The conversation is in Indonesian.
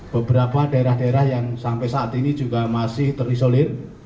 beberapa daerah daerah yang sampai saat ini juga masih terisolir